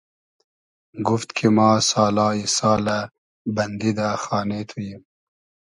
گوفت کی ما سالای سالۂ بئندی دۂ خانې تو ییم